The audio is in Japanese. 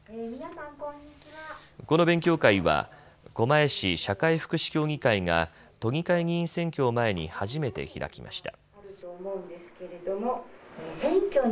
この勉強会は狛江市社会福祉協議会が都議会議員選挙を前に初めて開きました。